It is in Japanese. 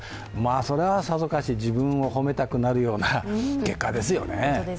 それは、さぞかし自分を褒めたくなるような結果ですよね。